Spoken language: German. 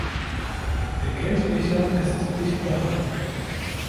Der Kelchbecher ist dicht behaart.